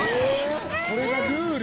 それがルール？